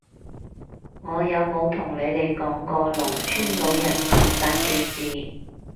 我有冇同你哋講過農村老人自殺嘅事？